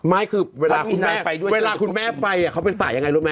ไม่คือเวลาคุณแม่ไปเขาเป็นฝ่าย